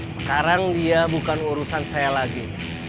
sekarang dia bukan urusan saya lagi